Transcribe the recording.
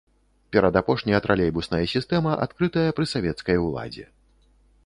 Перадапошняя тралейбусная сістэма, адкрытая пры савецкай уладзе.